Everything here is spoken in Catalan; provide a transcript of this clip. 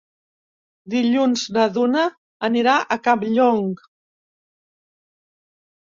Dilluns na Duna anirà a Campllong.